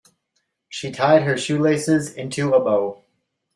She tied her shoelaces into a bow.